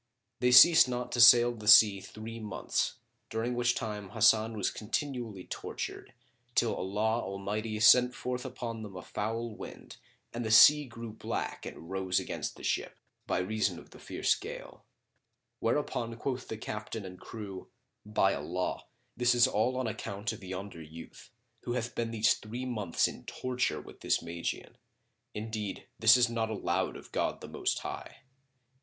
They ceased not to sail the sea three months, during which time Hasan was continually tortured till Allah Almighty sent forth upon them a foul wind and the sea grew black and rose against the ship, by reason of the fierce gale; whereupon quoth the captain and crew,[FN#28] "By Allah, this is all on account of yonder youth, who hath been these three months in torture with this Magian. Indeed, this is not allowed of God the Most High."